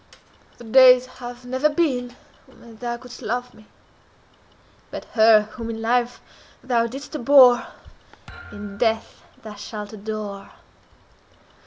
"The days have never been when thou couldst love me—but her whom in life thou didst abhor, in death thou shalt adore."